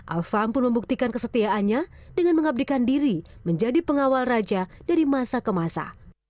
alfam pun membuktikan kesetiaannya dengan mengabdikan diri menjadi pengawal raja dari masa ke masa